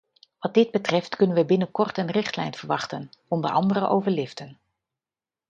Wat dit betreft kunnen we binnenkort een richtlijn verwachten, onder andere over liften.